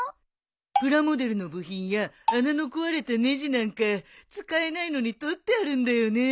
プラモデルの部品や穴の壊れたねじなんか使えないのに取ってあるんだよね。